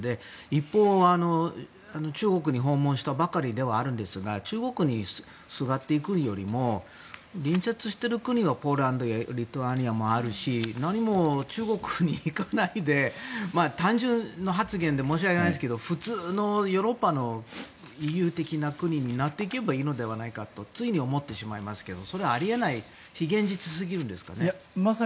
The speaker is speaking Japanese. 一方、中国に訪問したばかりではあるんですが中国にすがっていくよりも隣接している国はポーランドやリトアニアもあるし何も中国に行かないで単純な発言で申し訳ないですけど普通のヨーロッパのＥＵ的な国になっていけばいいのではないかと思ってしまいますけどそれは、あり得ない非現実すぎるんでしょうか。